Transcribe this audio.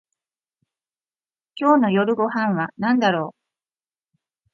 今日の夜ご飯はなんだろう